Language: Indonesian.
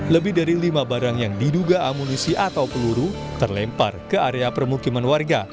lebih dari lima barang yang diduga amunisi atau peluru terlempar ke area permukiman warga